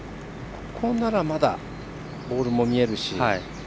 ここならまだボールも見えるし。